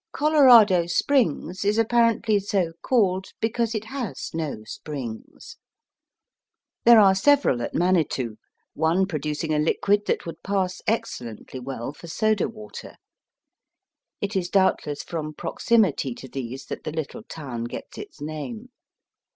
Colorado Springs is apparently so called because it has no springs. There are several at Manitou, one producing a Uquid that would pass excellently well for soda water. It is doubtless from proximity to these that the little town gets its name.